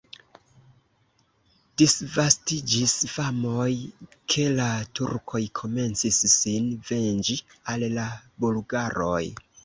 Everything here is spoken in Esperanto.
Disvastiĝis famoj, ke la turkoj komencis sin venĝi al la bulgaroj.